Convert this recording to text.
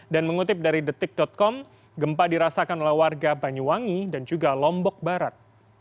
dan mengutip dari detik com gempa dirasakan oleh warga banyuwangi dan juga lombok barat